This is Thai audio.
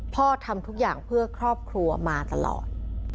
ทำทุกอย่างเพื่อครอบครัวมาตลอด